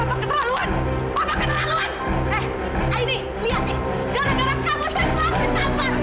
gara gara kamu saya selalu ditampar